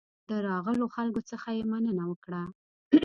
د راغلو خلکو څخه یې مننه وکړه.